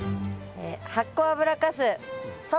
発酵油かす草